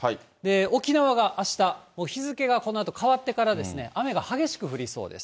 沖縄があした、日付がこのあと変わってから、雨が激しく降りそうです。